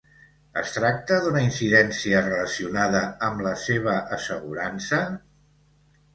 Es tracta d'una incidència relacionada amb la seva assegurança?